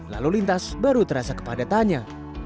lalu lintas baru terasa kepadatannya